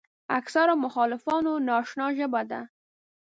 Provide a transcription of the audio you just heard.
اکثرو مخالفانو ناآشنا ژبه ده.